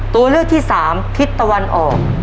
ตัวเลือกที่สามทิศตะวันออก